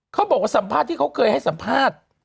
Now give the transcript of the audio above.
เขาบอกว่าสัมภาษณ์ที่เขาเคยให้สัมภาษณ์